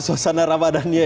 sampai ke sana ramadhan ya